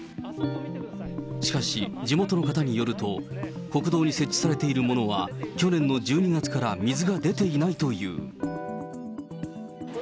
しかし、地元の方によると、国道に設置されているものは、去年の１２月から水が出ていないという。